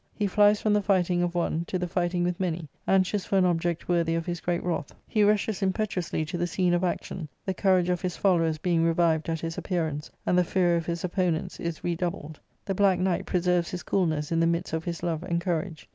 He flies from the fighting of one to the fighting with many, anxious for an object worthy of his great wrath. He rushes impetuously to the scene of action, the courage of his followers being revived at his appearance, and the fury of his opponents is redoubled. The Black Knight preserves his coolness in the midst of his love and courage.